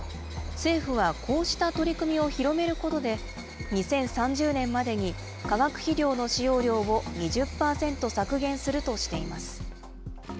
政府はこうした取り組みを広めることで、２０３０年までに、化学肥料の使用量を２０％削減するとしています。